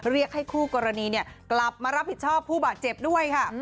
เรียกให้คู่กรณีกลับมารับผิดชอบผู้บาดเจ็บด้วยค่ะ